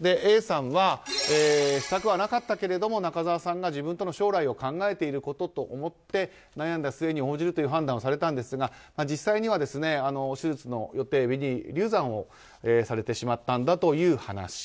Ａさんはしたくはなかったけれど中澤さんが自分との将来を考えていることと思って悩んだ末に応じるという判断をされたんですが実際には手術の予定日に流産をされたというお話。